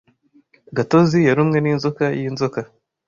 Gatozi yarumwe n'inzoka y'inzoka.